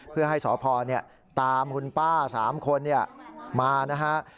เพื่อให้สพตามคุณป้า๓คนมานะฮะ